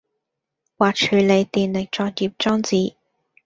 或處理電力作業裝置